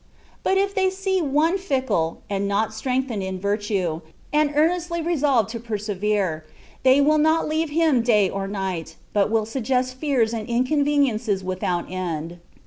But if they see one fickle, and not strengthened in virtue, and earnestly resolved to persevere, they will not leave him day or night, but will suggest fears and inconveniences without end.